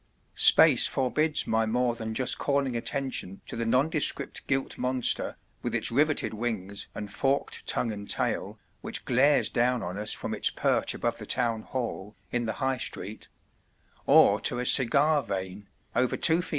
] Space forbids my more than just calling attention to the nondescript gilt monster, with its riveted wings and forked tongue and tail, which glares down on us from its perch above the Town Hall, in the High Street; or to a "cigar" vane (over 2 ft.